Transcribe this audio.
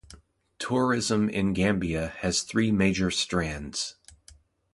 Tourism in Gambia has three major strands.